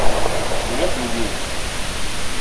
Нет людей.